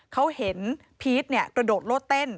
เขาเห็นพีชกระโดดโลดเต้น